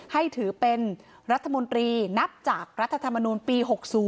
ให้ถือเป็นรัฐมนตรีนับจากรัฐธรรมนูลปี๖๐